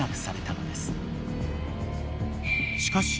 ［しかし］